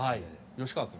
吉川君。